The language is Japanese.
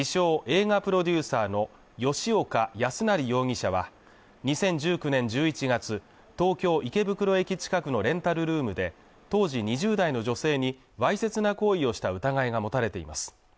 映画プロデューサーの吉岡康成容疑者は２０１９年１１月東京池袋駅近くのレンタルルームで当時２０代の女性にわいせつな行為をした疑いが持たれています